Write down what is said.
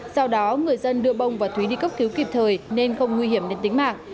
sau đó người dân đưa bông và thúy đi cấp cứu kịp thời nên không nguy hiểm đến tính mạng